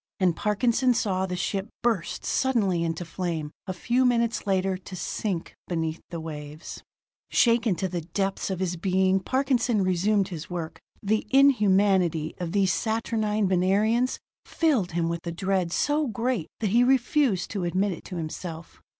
And Parkinson saw the ship burst suddenly into flame, a few minutes later to sink beneath the waves. Shaken to the depths of his being, Parkinson resumed his work. The inhumanity of these saturnine Venerians filled him with a dread so great that he refused to admit it to himself.